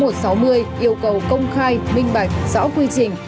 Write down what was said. yêu cầu công khai minh bạch rõ quy trình